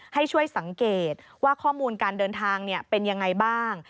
ให้ช่วยสังเกตว่าข้อมูลการเดินทางเป็นยังไงบ้าง